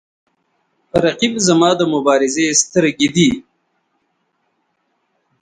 رقیب زما د مبارزې سترګې ده